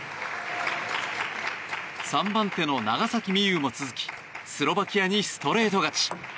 ３番手の長崎美柚も続きスロバキアにストレート勝ち。